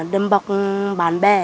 đâm bọc bạn bè